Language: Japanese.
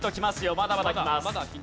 まだまだきます。